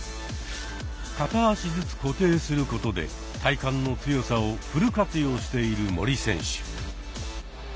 片足ずつ固定することで体幹の強さをフル活用している森選手。